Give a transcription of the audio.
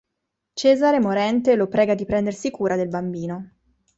Cesare, morente, lo prega di prendersi cura del bambino.